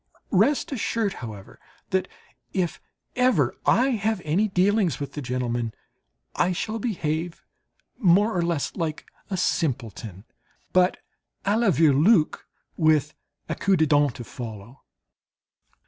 Rest assured, however, that if ever I have any dealings with the gentlemen, I shall behave more or less like a simpleton, but à la Vireloque with a coup de dent to follow.